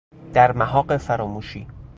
در محاق فراموشی